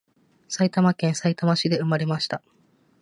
埼玉県さいたま市で産まれました